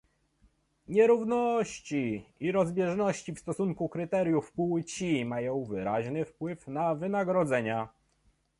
Nierówności i rozbieżności w stosowaniu kryteriów płci mają wyraźny wpływ na wynagrodzenia